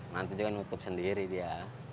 nanti juga nutup sendiri dia